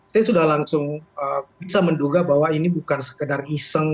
saya sudah langsung bisa menduga bahwa ini bukan sekedar iseng